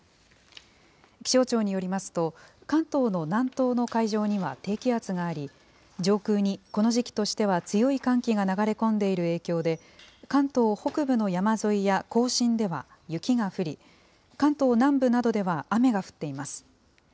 気象庁によりますと、関東の南東の海上には低気圧があり、上空にこの時期としては強い寒気が流れ込んでいる影響で、関東北部の山沿いや甲信では雪が降り、関東南部などでは雨が降っています。